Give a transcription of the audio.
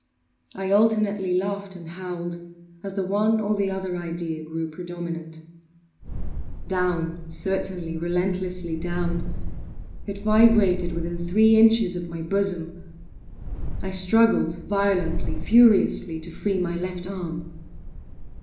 I alternately laughed and howled as the one or the other idea grew predominant. Down—certainly, relentlessly down! It vibrated within three inches of my bosom! I struggled violently, furiously, to free my left arm.